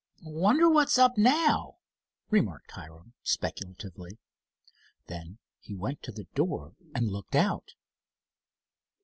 "Wonder what's up now?" remarked Hiram, speculatively. Then he went to the door and looked out.